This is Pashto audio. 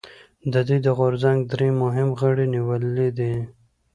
د دوی د غورځنګ درې مهم غړي نیولي دي